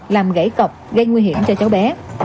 làm gãy cọp gây nguy hiểm cho cháu bé